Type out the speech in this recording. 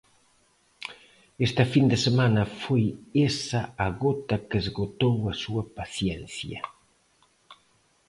Esta fin de semana foi esa a gota que esgotou a súa paciencia.